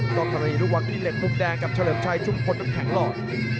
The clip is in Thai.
กล้องทรณีรุ่นวันที่เล็ดมุมแดงกับเฉลิมชัยชุมพลกับแข็งหลอด